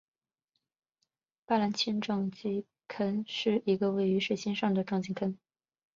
巴兰钦撞击坑是一个位于水星上的撞击坑。